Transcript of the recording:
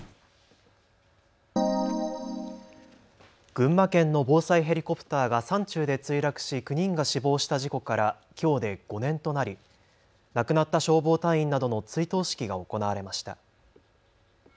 群馬県の防災ヘリコプターが山中で墜落し、９人が死亡した事故からきょうで５年となり亡くなった消防隊員などの追悼式が行われました。